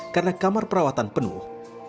karena kamar perawatan penuh